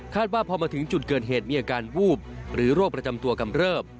ว่าพอมาถึงจุดเกิดเหตุมีอาการวูบหรือโรคประจำตัวกำเริบ